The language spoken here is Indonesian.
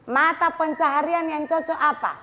mata pencaharian yang cocok apa